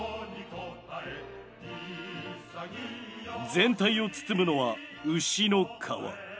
全体を包むのは牛の革。